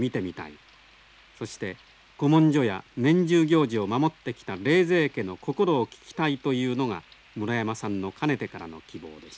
そして古文書や年中行事を守ってきた冷泉家の心を聞きたいというのが村山さんのかねてからの希望でした。